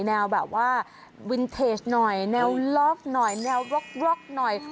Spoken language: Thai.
แนวแบบว่าวินเทจหน่อยแนวล็อกหน่อยแนวร็อกหน่อย